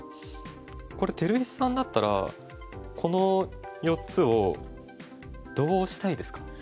これ照井さんだったらこの４つをどうしたいですか？